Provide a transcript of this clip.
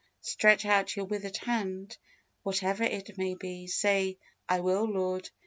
Stretch out your withered hand, whatever it may be; say, "I will, Lord."